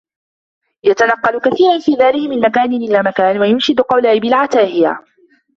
يَتَنَقَّلُ كَثِيرًا فِي دَارِهِ مِنْ مَكَان إلَى مَكَان وَيُنْشِدُ قَوْلَ أَبِي الْعَتَاهِيَةِ